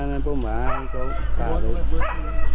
กิจบอสโปรย์